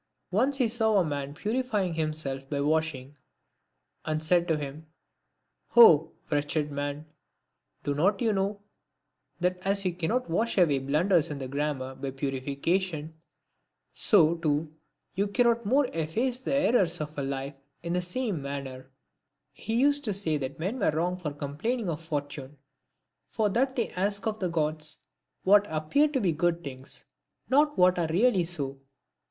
Once he saw a man purifying himself by washing, and said to him, " Oh, wretched man, do not you know that as you cannot wash away blunders in grammar by purification, so, too, you can no more efface the errors of a life in that same manner ?" He used to say that men were wrong for complaining of fortune ; for that they ask of the Gods what appear to be good things, not what are really so.